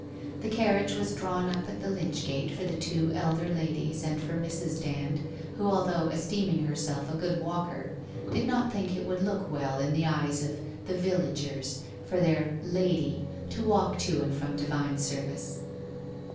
The carriage was draw r n up at the lych gate for the two elder ladies and for Mrs. Dand, who although esteeming herself a good walker, did not think it would look well in the eyes of ' the vil lagers ' for their ' Lady ' to walk to and from divine service.